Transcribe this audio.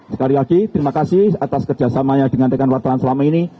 sekali lagi terima kasih atas kerjasamanya dengan rekan wartawan selama ini